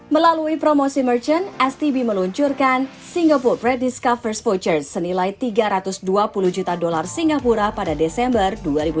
melalui promosi merchant stb meluncurkan singapore predis covers voucher senilai tiga ratus dua puluh juta dolar singapura pada desember dua ribu dua puluh